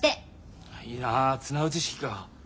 いいな綱打ち式か。